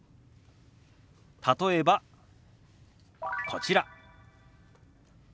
例えばこちら。